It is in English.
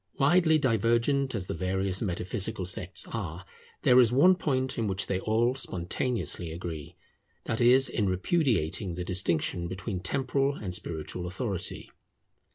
Widely divergent as the various metaphysical sects are, there is one point in which they all spontaneously agree; that is, in repudiating the distinction between temporal and spiritual authority.